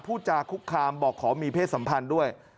พูดจาคุกคามบอกขอมีเพศสัมพันธ์ด้วย